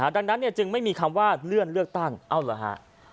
ดังนั้นจึงไม่มีคำว่าเลื่อนเลือกตั้งเอาเหรอฮะ